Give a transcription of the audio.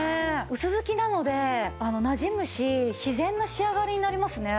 薄づきなのでなじむし自然な仕上がりになりますね。